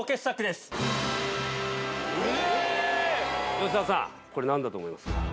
吉沢さん何だと思いますか？